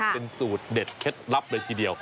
เป็นสูตรเด็ดเคล็ดลับเลยทีเดียว